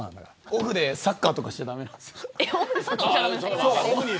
オフでサッカーとかしちゃ駄目なんですよ。